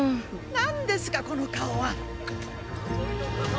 なんですかこの顔は！